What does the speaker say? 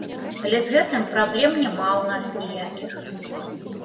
Але з гэтым праблем няма ў нас ніякіх!